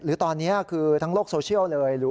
หรือตอนนี้คือทั้งโลกโซเชียลเลย